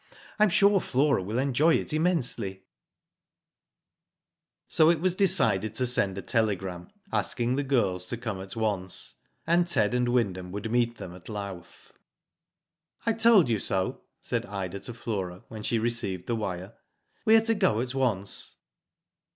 I am sure Flora will enjoy it immensely/' So it was decided to send a telegram, asking the girls to come at once, and Ted and Wyndham would meet them at Louth. I told you so," said Ida to Flora, when she received the wire. • *^We are to go at once.'